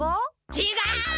ちがう！